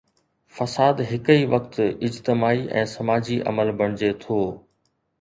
فساد هڪ ئي وقت اجتماعي ۽ سماجي عمل بڻجي ٿو.